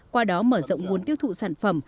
qua đó mở rộng nguồn tiêu thụ sản phẩm